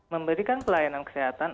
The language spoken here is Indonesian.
memberikan pelayanan kesehatan